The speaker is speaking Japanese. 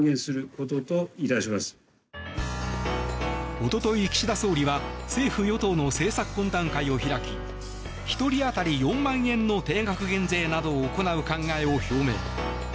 一昨日、岸田総理は政府与党の政策懇談会を開き１人当たり４万円の定額減税などを行う考えを表明。